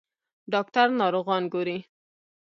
ډاکټر ناروغان ګوري.